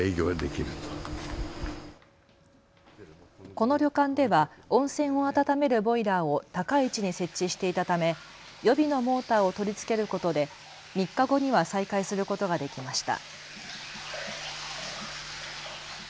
この旅館では温泉を温めるボイラーを高い位置に設置していたため予備のモーターを取り付けることで３日後には再開することができました。